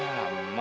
kau mau ngasih apa